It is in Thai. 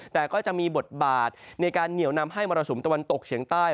แต่ก็จะมีบทบาทในการเหนียวนำให้มรสุมตะวันตกเฉียงใต้